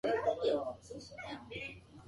井の中の蛙大海を知らず